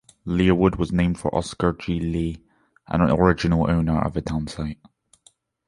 Leawood was named for Oscar G. Lee, an original owner of the town site.